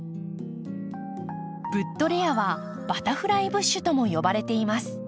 ブッドレアはバタフライブッシュとも呼ばれています。